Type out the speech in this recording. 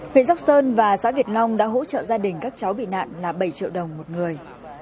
huyện sóc sơn và xã việt long đã hỗ trợ gia đình các cháu bị nạn là bảy triệu đồng một người